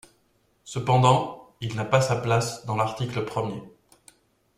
Cependant, il n’a pas sa place dans l’article premier.